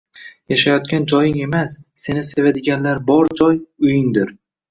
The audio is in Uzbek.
Yashayotgan joying emas, seni sevadiganlar bor joy – uyingdir.